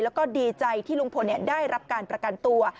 แล้วก็ดีใจที่ลุงพลได้รับการประกันตัว